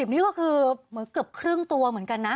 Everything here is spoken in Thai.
นี่ก็คือเหมือนเกือบครึ่งตัวเหมือนกันนะ